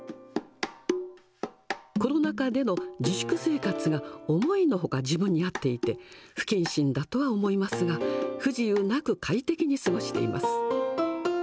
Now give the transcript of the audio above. コロナ禍での自粛生活が思いのほか自分に合っていて、不謹慎だとは思いますが、不自由なく快適に過ごしています。